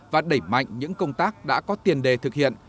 và đẩy mạnh những công tác đã có tiền đề thực hiện